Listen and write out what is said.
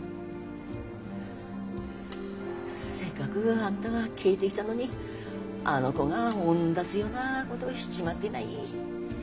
せっかくあんたが帰ってきたのにあの子が追ん出すようなことしちまってない。